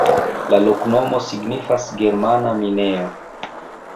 La loknomo signifas: germana-minejo.